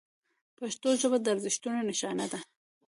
پښتو ژبه د ارزښتونو نښانه ده.